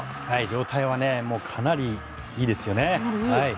状態はかなりいいですよね。